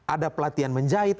ada pelatihan menjahit